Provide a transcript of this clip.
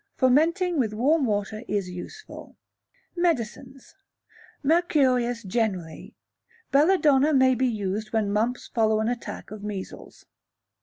Fomenting with warm water is useful. Medicines. Mercurius generally; Belladonna may be used when mumps follow an attack of measles.